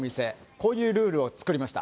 こういうルールを作りました。